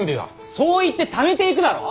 そう言ってためていくだろう？